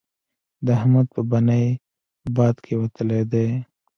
د احمد په بنۍ باد کېوتلی دی.